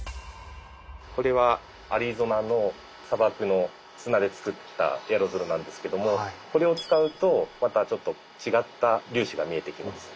これはアリゾナの砂漠の砂で作ったエアロゾルなんですけどもこれを使うとまたちょっと違った粒子が見えてきます。